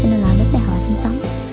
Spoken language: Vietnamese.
nên là đến đây họ sinh sống